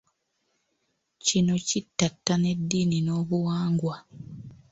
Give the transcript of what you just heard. Kino kittattana eddiini n'obuwangwa.